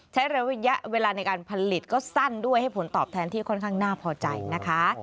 ใช้ระยะเวลาในการผลิตก็สั้นด้วยให้ผลตอบแทนที่ค่อนข้างน่าพอใจนะคะ